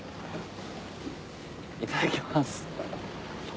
いただきます。